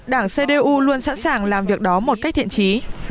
đảng cdu luôn sẵn sàng làm việc đó một cách thiện trí